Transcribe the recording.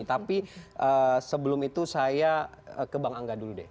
tapi sebelum itu saya ke bang angga dulu deh